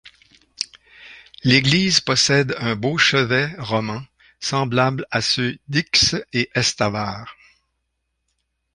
L'église possède un beau chevet roman semblable à ceux d'Hix et Estavar.